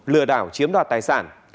lừa đảo chiếm đoạt tài sản